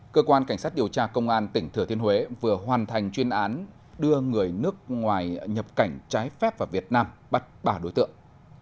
cơ quan cảnh sát điều tra công an tỉnh thừa thiên huế vừa hoàn thành chuyên án đưa người nước ngoài nhập cảnh trái phép vào việt nam bắt ba đối tượng